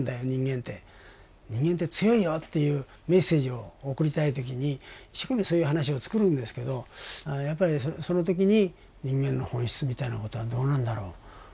人間って強いよっていうメッセージを送りたい時に一生懸命そういう話を作るんですけどやっぱりその時に人間の本質みたいなことはどうなんだろう。